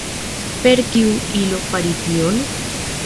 Per kiu ilo fari tion?